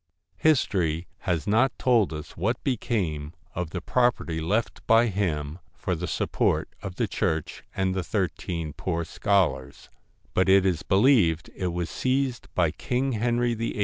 History has not told us what became of the pro perty left by him for the support of the church and the thirteen poor scholars; but it is believed it was seized by King Henry VIII.